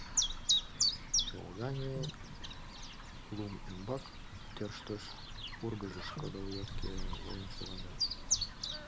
Чолгаҥе, лум ӱмбак тӧрштыш, пургыжыш кыдал йотке волен шогале.